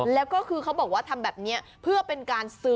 แล้วก็คือเขาบอกว่าทำแบบนี้เพื่อเป็นการซื้อ